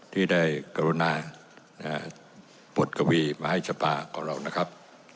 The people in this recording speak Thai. ที่ได้กรณาบทกวีมหาชภาของเรานะครับ